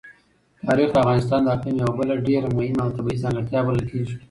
تاریخ د افغانستان د اقلیم یوه بله ډېره مهمه او طبیعي ځانګړتیا بلل کېږي.